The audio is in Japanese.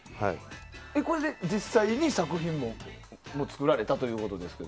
これで実際に作品も作られたということですが。